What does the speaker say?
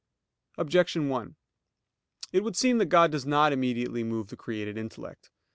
Objection 1: It would seem that God does not immediately move the created intellect.